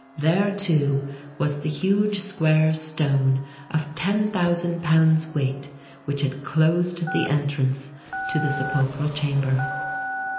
There too was the huge square stone of ten thousand pounds weight, which had closed the entrance to the sepulchral chamber.